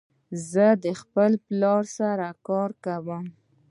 زه د خپل پلار سره کار کوم.